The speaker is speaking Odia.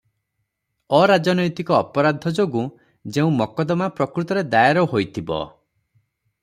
ଅରାଜନୈତିକ ଅପରାଧ ଯୋଗୁଁ ଯେଉଁ ମକଦମା ପ୍ରକୃତରେ ଦାଏର ହୋଇଥିବ ।